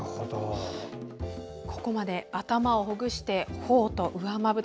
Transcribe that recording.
ここまで頭をほぐしてほおと上まぶた